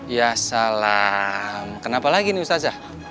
ya salam kenapa lagi nih ustazah